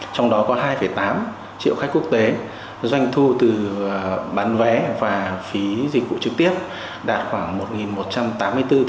trong đó có hai tám triệu khách quốc tế doanh thu từ bán vé và phí dịch vụ trực tiếp đạt khoảng một một trăm linh triệu